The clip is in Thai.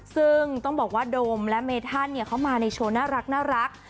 ซึ่งต้องบอกว่าโดมและเมธันเขามาในโชว์น่ารัก